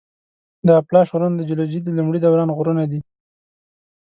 د اپلاش غرونه د جیولوجي د لومړي دوران غرونه دي.